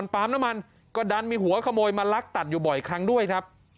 ปั๊มน้ำมันก็ดันมีหัวขโมยมาลักตัดอยู่บ่อยครั้งด้วยครับ